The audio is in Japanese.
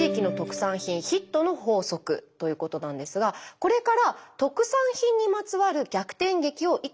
ということなんですがこれから特産品にまつわる逆転劇をいくつか紹介します。